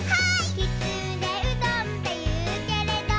「きつねうどんっていうけれど」